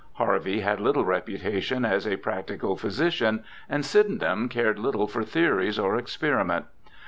Harvey had little reputation as a practical physician, and Sydenham cared little for theories or experiment.